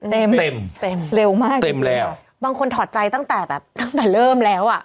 เต็มเต็มเร็วมากเต็มแล้วบางคนถอดใจตั้งแต่แบบตั้งแต่เริ่มแล้วอ่ะ